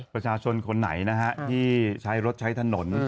ประชาชนคนไหนนะฮะที่ใช้รถใช้ถนน